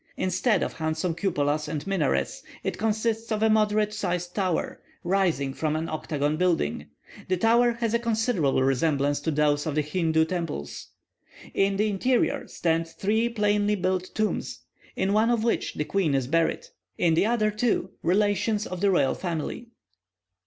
Instead of handsome cupolas and minarets, it consists of a moderate sized tower, rising from an octagon building; the tower has a considerable resemblance to those of the Hindoo temples. In the interior stand three plainly built tombs, in one of which the queen is buried; in the other two, relations of the royal family.